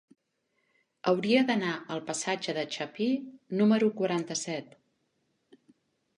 Hauria d'anar al passatge de Chapí número quaranta-set.